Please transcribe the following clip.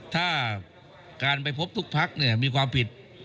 ถ้าการไปพบทุกภักดิ์เนี่ยมีความผิด